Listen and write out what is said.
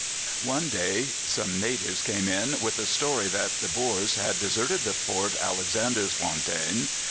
One day some natives came in with a story that the Boers had deserted the fort Alexandersfontein.